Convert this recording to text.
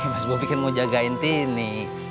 mas bobby kan mau jagain tini